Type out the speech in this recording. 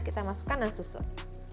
kita masukkan dan susun